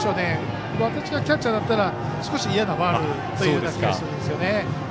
私がキャッチャーだったら少し嫌なファウルという打球でしたね。